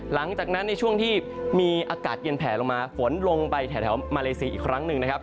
หลังจากนั้นในช่วงที่มีอากาศเย็นแผลลงมาฝนลงไปแถวมาเลเซียอีกครั้งหนึ่งนะครับ